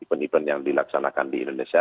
event event yang dilaksanakan di indonesia